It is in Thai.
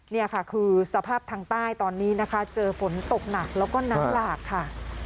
นี่ค่ะคือสภาพทางใต้ตอนนี้นะคะเจอฝนตกหนักแล้วก็น้ำหลากค่ะ